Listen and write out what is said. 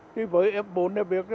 thì với bốn người việt